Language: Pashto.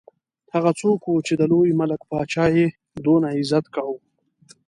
هغه څوک وو چې د لوی ملک پاچا یې دونه عزت کاوه.